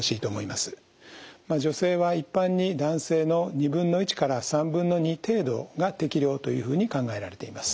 まあ女性は一般に男性の２分の１から３分の２程度が適量というふうに考えられています。